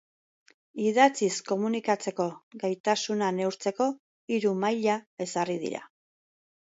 Idatziz komunikatzeko gaitasuna neurtzeko hiru maila ezarri dira.